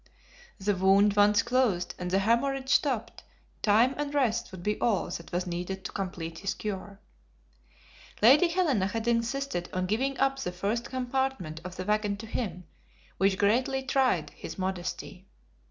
The wound once closed and the hemorrhage stopped, time and rest would be all that was needed to complete his cure. Lady Helena had insisted on giving up the first compartment of the wagon to him, which greatly tried his modesty.